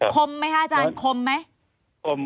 คมไหมคะอาจารย์คมไหม